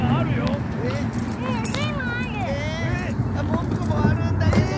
ぼくもあるんだけど！